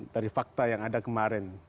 dari fakta yang ada kemarin